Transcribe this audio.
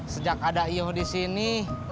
sejak ada io di sini